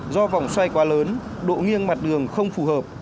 do vòng xoay quá lớn độ nghiêng mặt đường không phù hợp